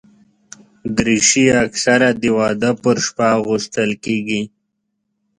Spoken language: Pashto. دریشي اکثره د واده پر شپه اغوستل کېږي.